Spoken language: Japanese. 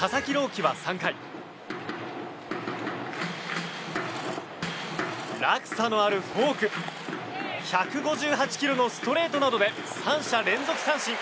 希は３回落差のあるフォーク１５８キロのストレートなどで３者連続三振。